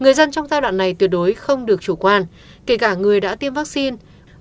người dân trong giai đoạn này tuyệt đối không được chủ quan kể cả người đã tiêm vaccine